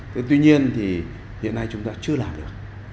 thế tuy nhiên thì hiện nay chúng ta chưa làm được